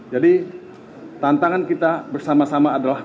jadi tantangan kita bersama sama adalah